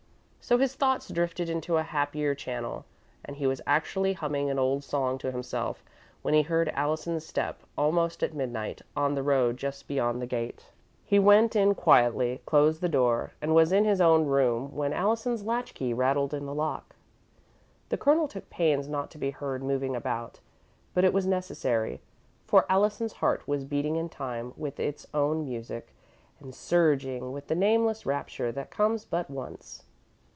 So his thoughts drifted into a happier channel and he was actually humming an old song to himself when he heard Allison's step, almost at midnight, on the road just beyond the gate. He went in quietly, closed the door, and was in his own room when Allison's latch key rattled in the lock. The Colonel took pains not to be heard moving about, but it was unnecessary, for Allison's heart was beating in time with its own music, and surging with the nameless rapture that comes but once.